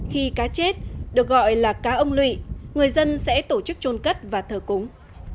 khi cá chết được gọi là cá ông lụy người dân sẽ tổ chức trôn cất và thờ cúng